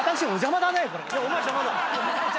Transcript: お前邪魔だ。